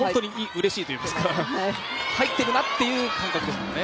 うれしいというか入っているなっていう感覚ですもんね。